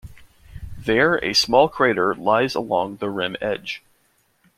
There a small crater lies along the rim edge.